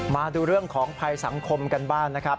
มาดูเรื่องของภัยสังคมกันบ้างนะครับ